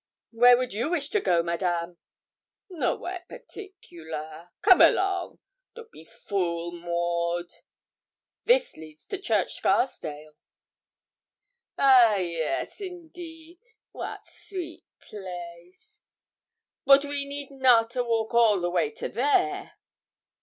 'Where do you wish to go, Madame?' 'Nowhere particular come along; don't be fool, Maud.' 'This leads to Church Scarsdale.' 'A yes indeed! wat sweet place! bote we need not a walk all the way to there.'